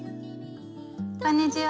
こんにちは。